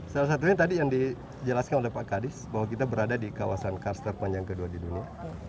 salah satunya tadi yang dijelaskan oleh pak kadis bahwa kita berada di kawasan kars terpanjang kedua di dunia